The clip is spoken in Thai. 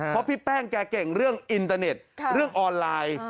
เพราะพี่แป้งแกเก่งเรื่องอินเตอร์เน็ตเรื่องออนไลน์